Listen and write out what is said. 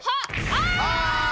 あ！